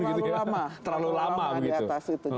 terlalu lama terlalu lama di atas itu